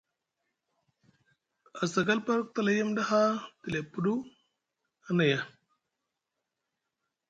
Asakal par ku tala yem ɗa haa tile puɗu, a naya.